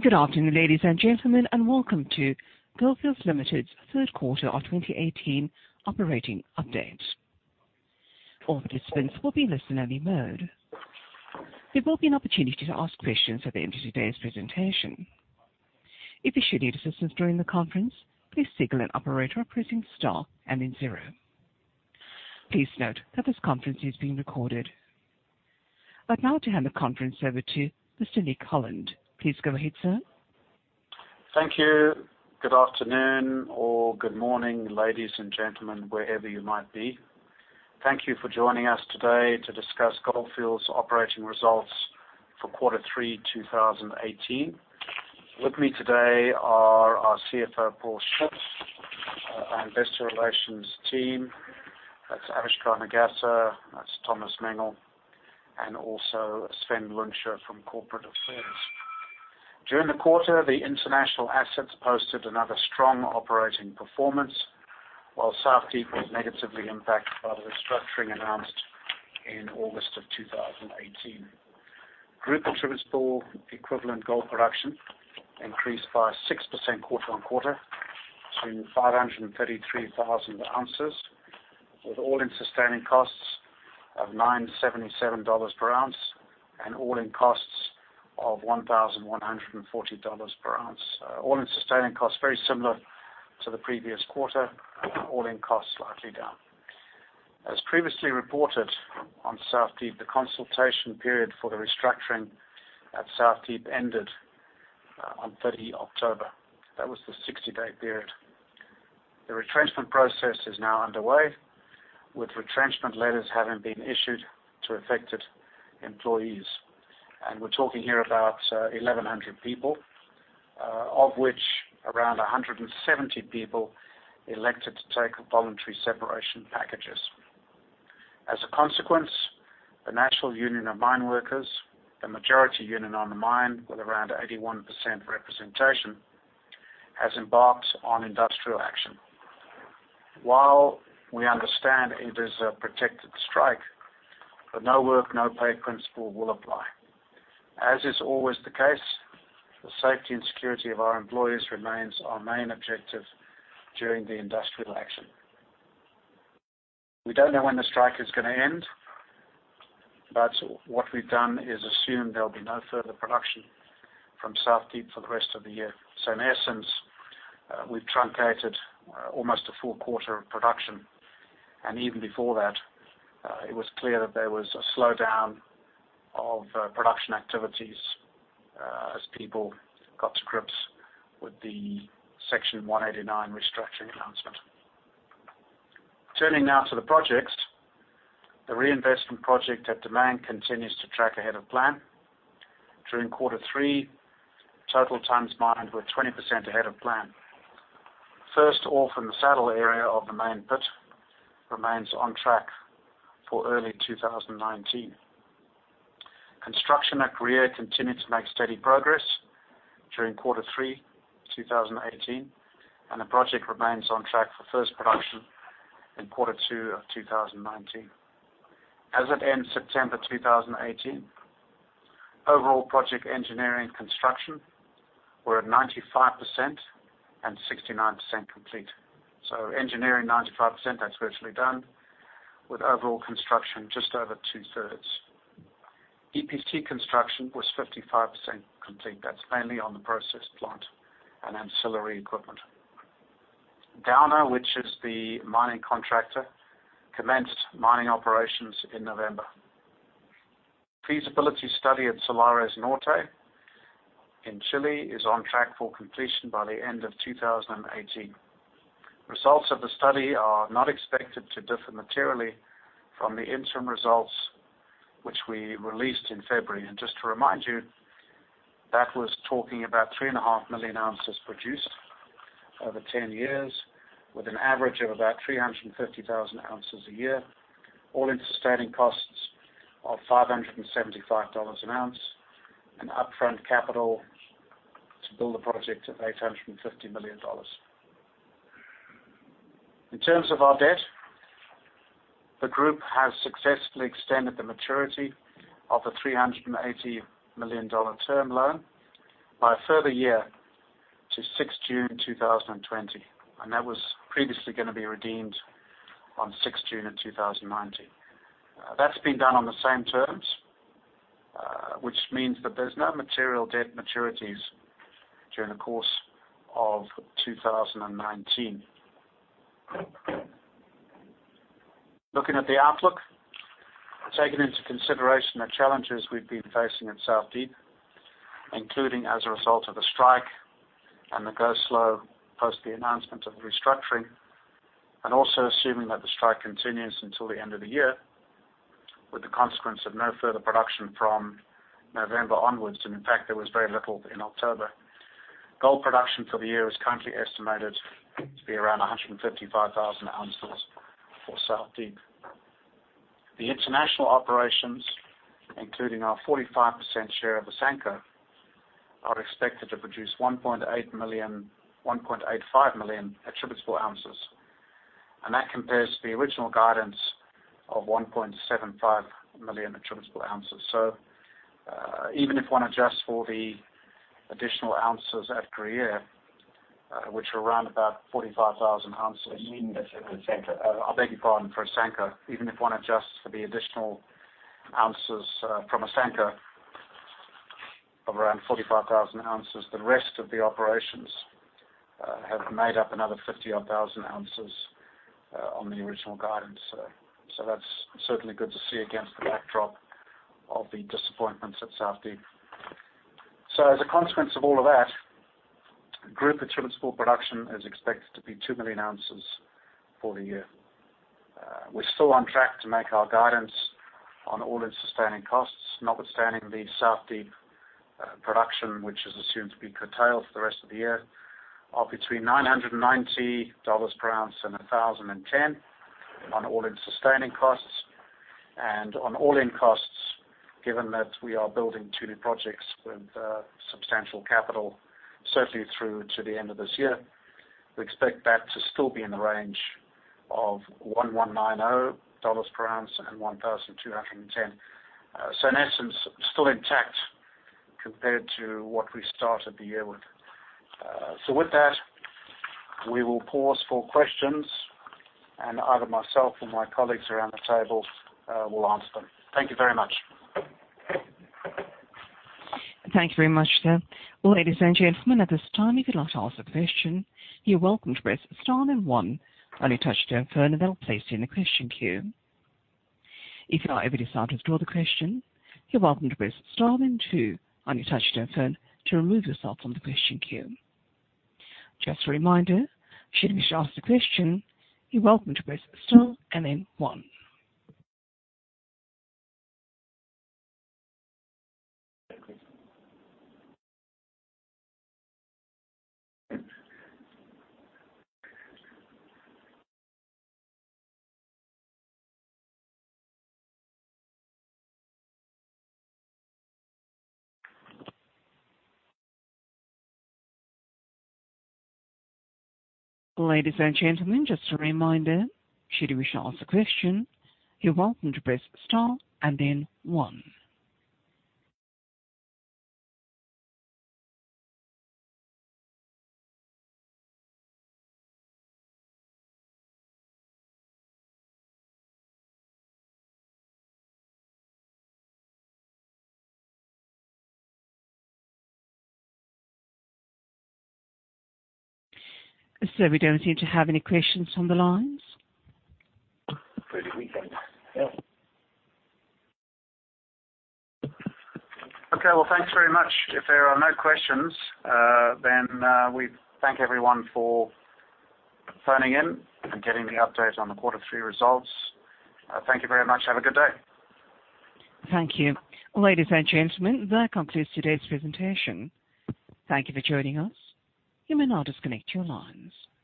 Good afternoon, ladies and gentlemen, and welcome to Gold Fields Limited's third quarter of 2018 operating update. All participants will be in listen-only mode. There will be an opportunity to ask questions at the end of today's presentation. If you should need assistance during the conference, please signal an operator by pressing star and then zero. Please note that this conference is being recorded. I'd now like to hand the conference over to Mr. Nick Holland. Please go ahead, sir. Thank you. Good afternoon or good morning, ladies and gentlemen, wherever you might be. Thank you for joining us today to discuss Gold Fields' operating results for quarter three 2018. With me today are our CFO, Paul Schmidt, our investor relations team, that's Avishkar Nagaser, that's Thomas Mengel, and also Sven Lunsche from Corporate Affairs. During the quarter, the international assets posted another strong operating performance, while South Deep was negatively impacted by the restructuring announced in August of 2018. Group attributable equivalent gold production increased by 6% quarter on quarter to 533,000 ounces, with all-in sustaining costs of $977 per ounce and all-in costs of $1,140 per ounce. All-in sustaining costs very similar to the previous quarter, all-in costs slightly down. As previously reported on South Deep, the consultation period for the restructuring at South Deep ended on 30 October. That was the 60-day period. The retrenchment process is now underway, with retrenchment letters having been issued to affected employees. We're talking here about 1,100 people, of which around 170 people elected to take voluntary separation packages. As a consequence, the National Union of Mineworkers, the majority union on the mine with around 81% representation, has embarked on industrial action. While we understand it is a protected strike, the no work, no pay principle will apply. As is always the case, the safety and security of our employees remains our main objective during the industrial action. We don't know when the strike is going to end, what we've done is assume there'll be no further production from South Deep for the rest of the year. In essence, we've truncated almost a full quarter of production, and even before that, it was clear that there was a slowdown of production activities as people got to grips with the Section 189 restructuring announcement. Turning now to the projects, the reinvestment project at Damang continues to track ahead of plan. During quarter three, total tonnes mined were 20% ahead of plan. First ore from the Saddle area of the main pit remains on track for early 2019. Construction at Gruyere continued to make steady progress during quarter three 2018, and the project remains on track for first production in quarter two of 2019. As at end September 2018, overall project engineering construction were at 95% and 69% complete. Engineering 95%, that's virtually done, with overall construction just over two-thirds. EPC construction was 55% complete. That's mainly on the process plant and ancillary equipment. Downer, which is the mining contractor, commenced mining operations in November. Feasibility study at Salares Norte in Chile is on track for completion by the end of 2018. Results of the study are not expected to differ materially from the interim results, which we released in February. Just to remind you, that was talking about three and a half million ounces produced over 10 years with an average of about 350,000 ounces a year. All-in sustaining costs of $575 an ounce and upfront capital to build the project at $850 million. In terms of our debt, the group has successfully extended the maturity of the $380 million term loan by a further year to 6th June 2020, and that was previously going to be redeemed on 6th June of 2019. That's been done on the same terms, which means that there's no material debt maturities during the course of 2019. Looking at the outlook, taking into consideration the challenges we've been facing at South Deep, including as a result of the strike and the go slow post the announcement of the restructuring, also assuming that the strike continues until the end of the year with the consequence of no further production from November onwards, and in fact, there was very little in October, gold production for the year is currently estimated to be around 155,000 ounces for South Deep. The international operations, including our 45% share of Asanko, are expected to produce 1.85 million attributable ounces. That compares to the original guidance of 1.75 million attributable ounces. Even if one adjusts for the additional ounces at Gruyere, which are around about 45,000 ounces- You mean at Asanko. I beg your pardon, for Asanko. Even if one adjusts for the additional ounces from Asanko of around 45,000 ounces, the rest of the operations have made up another 50 odd thousand ounces on the original guidance. That's certainly good to see against the backdrop of the disappointments at South Deep. As a consequence of all of that, group attributable production is expected to be 2 million ounces for the year. We're still on track to make our guidance on all-in sustaining costs, notwithstanding the South Deep production, which is assumed to be curtailed for the rest of the year, of between $990 per ounce and $1,010 on all-in sustaining costs. On all-in costs, given that we are building two new projects with substantial capital, certainly through to the end of this year, we expect that to still be in the range of $1,190-$1,210 per ounce. In essence, still intact compared to what we started the year with. With that, we will pause for questions, and either myself or my colleagues around the table will answer them. Thank you very much. Thank you very much, sir. Ladies and gentlemen, at this time, if you'd like to ask a question, you're welcome to press star then one on your touchtone phone. That will place you in the question queue. If you ever decide to withdraw the question, you're welcome to press star then two on your touchtone phone to remove yourself from the question queue. Just a reminder, should you wish to ask a question, you're welcome to press star and then one. Ladies and gentlemen, just a reminder, should you wish to ask a question, you're welcome to press star and then one. Sir, we don't seem to have any questions on the lines. Pretty quick then. Yeah. Thanks very much. If there are no questions, we thank everyone for phoning in and getting the update on the quarter three results. Thank you very much. Have a good day. Thank you. Ladies and gentlemen, that concludes today's presentation. Thank you for joining us. You may now disconnect your lines.